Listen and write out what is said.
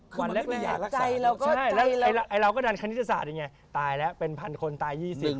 คือมันไม่มีอย่ารักษา